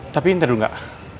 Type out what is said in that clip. tapi ntar dulu gak